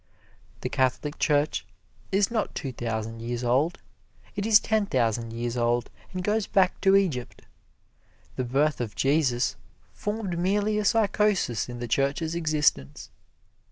The Catholic Church is not two thousand years old it is ten thousand years old and goes back to Egypt. The birth of Jesus formed merely a psychosis in the Church's existence.